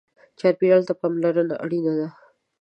چاپېریال ته پاملرنه اړینه ده.